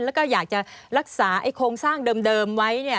แล้วก็อยากจะรักษาโครงสร้างเดิมไว้